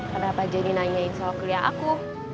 kenapa jadi nanyain soal kuliah aku